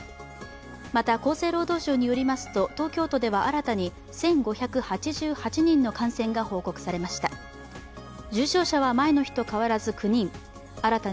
また厚生労働省によりますと東京都では新たに１５８８人の感染が報告されました。